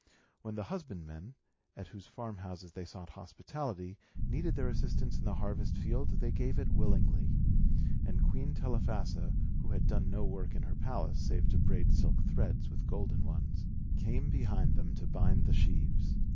When the husbandmen, at whose farmhouses they sought hospitality, needed their assistance in the harvest field, they gave it willingly; and Queen Telephassa (who had done no work in her palace, save to braid silk threads with golden ones) came behind them to bind the sheaves.